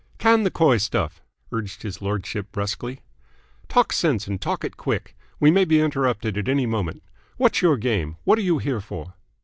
"Can the coy stuff," urged his lordship brusquely. "Talk sense and talk it quick. We may be interrupted at any moment. What's your game? What are you here for?"